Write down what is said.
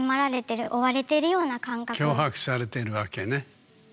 脅迫されているわけね。